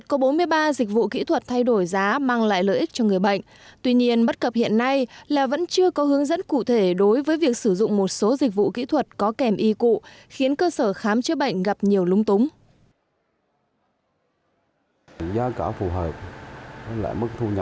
cảm ơn các bạn đã theo dõi và hẹn gặp lại